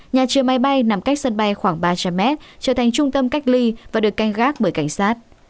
nhà chiều máy bay nằm cách sân bay khoảng ba trăm linh m trở thành trung tâm cách ly và được canh gác bởi cảnh sát